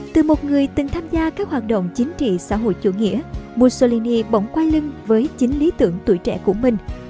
từ một người từng tham gia các hoạt động chính trị xã hội chủ nghĩa mussolini bỏng quay lưng với chính lý tưởng tuổi trẻ của mình